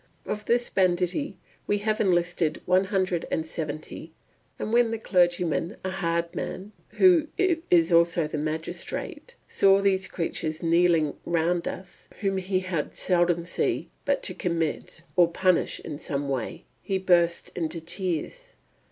Of this banditti we have enlisted one hundred and seventy; and when the clergyman, a hard man, who is also the magistrate, saw these creatures kneeling round us, whom he had seldom seen but to commit or punish in some way, he burst into tears.